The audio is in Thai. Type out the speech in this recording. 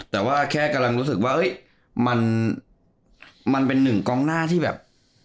แต่ว่าแค่กำลังรู้สึกว่ามันเป็นหนึ่งกองหน้าที่แบบ